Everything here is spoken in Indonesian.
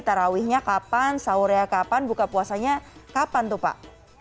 tarawihnya kapan sahurnya kapan buka puasanya kapan tuh pak